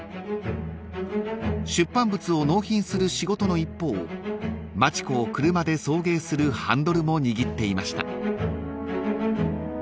［出版物を納品する仕事の一方町子を車で送迎するハンドルも握っていました］